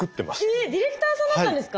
えっディレクターさんだったんですか！